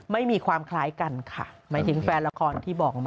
ไม่มีความคล้ายกันค่ะหมายถึงแฟนละครที่บอกมา